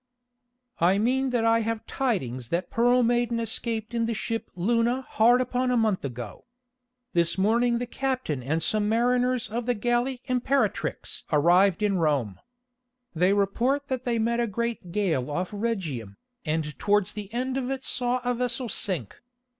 "I mean that I have tidings that Pearl Maiden escaped in the ship Luna hard upon a month ago. This morning the captain and some mariners of the galley Imperatrix arrived in Rome. They report that they met a great gale off Rhegium, and towards the end of it saw a vessel sink.